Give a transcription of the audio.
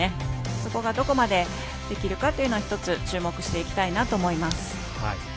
そこがどこまでできるかというのが１つ注目していきたいなと思います。